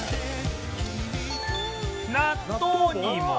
納豆にも